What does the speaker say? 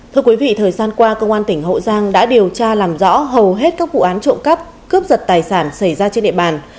thưa quý vị thời gian qua công an tỉnh hậu giang đã điều tra làm rõ hầu hết các vụ án trộm cắp cướp giật tài sản xảy ra trên địa bàn